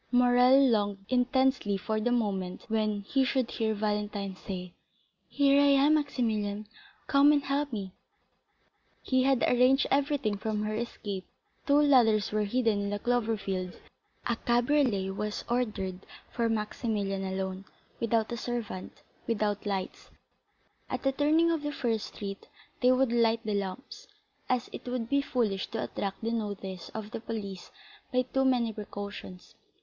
Morrel longed intensely for the moment when he should hear Valentine say, "Here I am, Maximilian; come and help me." He had arranged everything for her escape; two ladders were hidden in the clover field; a cabriolet was ordered for Maximilian alone, without a servant, without lights; at the turning of the first street they would light the lamps, as it would be foolish to attract the notice of the police by too many precautions.